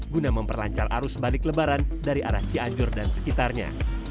guna memperlancar arus balik lebaran dari arah cianjur dan sekitarnya